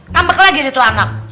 kampe lagi nih tuh anak